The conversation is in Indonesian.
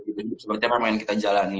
hidup seperti apa yang kita jalani